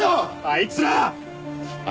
あいつら？